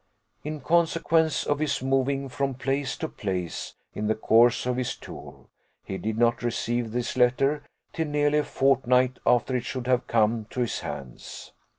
In consequence of his moving from place to place in the course of his tour, he did not receive this letter till nearly a fortnight after it should have come to his hands.